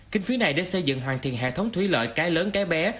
kinh phí này để xây dựng hoàn thiện hệ thống thúy lợi cái lớn cái bé